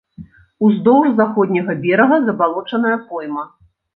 Уздоўж заходняга берага забалочаная пойма.